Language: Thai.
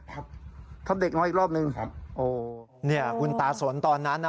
ครับทับเด็กของเขาอีกรอบนึงครับโอ้เนี่ยคุณตาสนตอนนั้นนะ